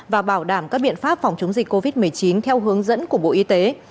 và bảo đảm các biện pháp phòng chống dịch covid một mươi chín theo hướng dẫn của bộ y tế